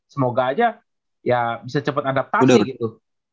semoga aja ya bisa cepat adaptasi gitu